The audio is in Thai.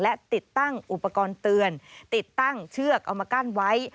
และติดตั้งอุปกรณ์เตือนติดตั้งเชือกเอามากั้นไว้